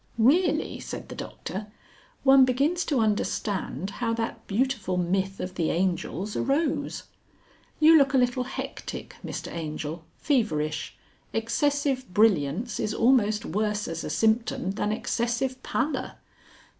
"Really," said the Doctor, "one begins to understand how that beautiful myth of the angels arose. You look a little hectic, Mr Angel feverish. Excessive brilliance is almost worse as a symptom than excessive pallor.